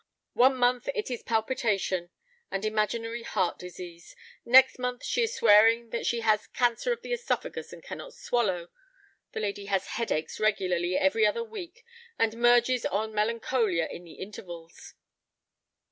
One month it is palpitation—and imaginary heart disease, next month she is swearing that she has cancer of the œsophagus and cannot swallow. The lady has headaches regularly every other week, and merges on melancholia in the intervals."